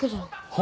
は？